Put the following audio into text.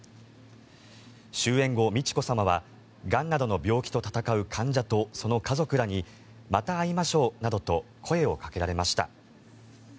終演後、美智子さまはがんなどの病気と闘う患者とその家族らにまた会いましょうなどと声をかけられました。